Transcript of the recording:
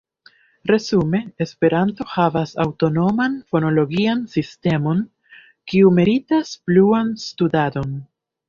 Resume, Esperanto havas aŭtonoman fonologian sistemon, kiu meritas pluan studadon.